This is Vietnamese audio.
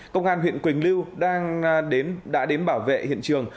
công an huyện quỳnh lưu đã đến bảo vệ hiện trường